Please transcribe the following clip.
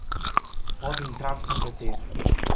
Pode entrar sem bater.